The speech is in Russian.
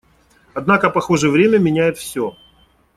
Однако, похоже, время меняет все.